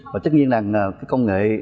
và tất nhiên là công nghệ